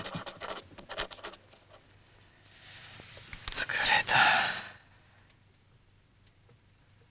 疲れた。